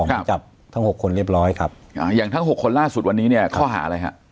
ออกมาจับทั้งหกคนเรียบร้อยครับอ่าอย่างทั้งหกคนล่าสุดวันนี้เนี่ย